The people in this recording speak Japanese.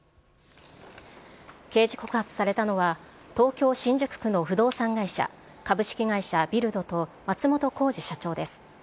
刑事告発されたのは、東京・新宿区の不動産会社、株式会社ビルドと松本幸二社長です。